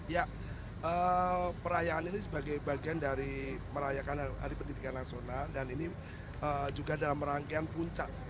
ya perayaan ini sebagai bagian dari merayakan hari pendidikan nasional dan ini juga dalam rangkaian puncak